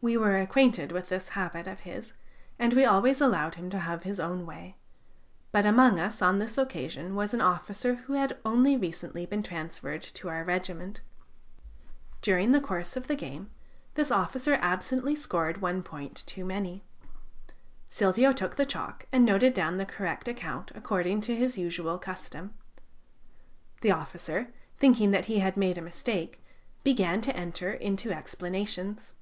We were acquainted with this habit of his, and we always allowed him to have his own way; but among us on this occasion was an officer who had only recently been transferred to our regiment. During the course of the game, this officer absently scored one point too many. Silvio took the chalk and noted down the correct account according to his usual custom. The officer, thinking that he had made a mistake, began to enter into explanations.